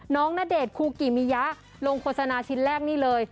ณเดชน์คูกิมิยะลงโฆษณาชิ้นแรกนี่เลย